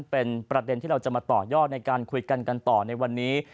เป็นประเด็นที่เราจะมาต่อยอดในการคุยกันกันต่อในวันนี้